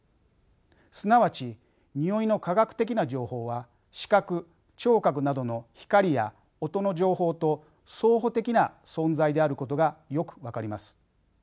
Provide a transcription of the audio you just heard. すなわちにおいの化学的な情報は視覚聴覚などの光や音の情報と相補的な存在であることがよく分かります。